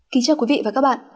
kính chào quý vị và các bạn